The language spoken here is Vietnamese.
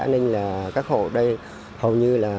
nên là các hộ đây hầu như là